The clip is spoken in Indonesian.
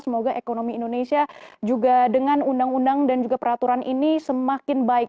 semoga ekonomi indonesia juga dengan undang undang dan juga peraturan ini semakin baik